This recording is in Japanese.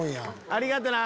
ありがとな！